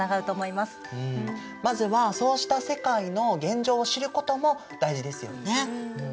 まずはそうした世界の現状を知ることも大事ですよね。